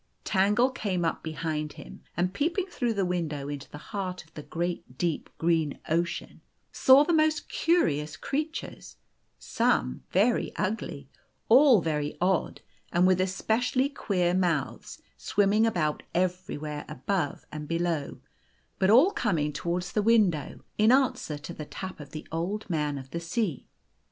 Tangle came up behind him, and peeping through the window into the heart of the great deep green ocean, saw the most cu rious creatures, some very ugly, all very odd, and with especially queer mouths, swimming about everywhere, above and below, but all coming towards the window in answer to the tap of the Old Man of the Sea.